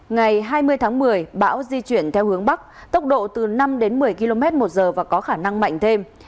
ngày hai mươi tháng một mươi bão di chuyển theo hướng bắc tốc độ từ năm đến một mươi km một giờ và có khả năng mạnh thêm